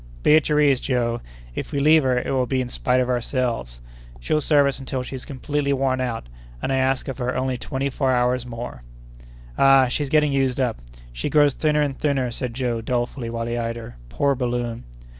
"Be at your ease, Joe; if we leave her, it will be in spite of ourselves. She'll serve us until she's completely worn out, and I ask of her only twenty four hours more!" "Ah, she's getting used up! She grows thinner and thinner," said Joe, dolefully, while he eyed her. "Poor balloon!"